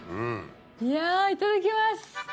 いやいただきます。